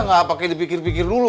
nggak pakai dipikir pikir dulu